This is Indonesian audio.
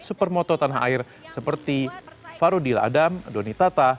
supermoto tanah air seperti farudil adam doni tata